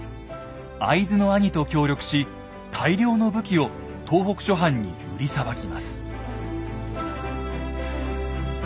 会津の兄と協力し大量の武器を東北諸藩に売りさばきます。